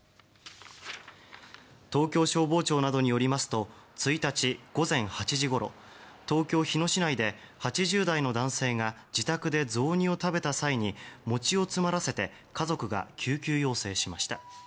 東京消防庁などによりますと１日午前８時頃東京・日野市内で８０代の男性が自宅で雑煮を食べた際に餅を詰まらせて家族が救急要請しました。